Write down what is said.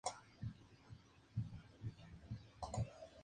Se la encuentra en la polinesia francesa y Kiribati.